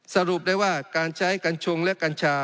สรุปได้ว่าการใช้กัญชงและกัญชา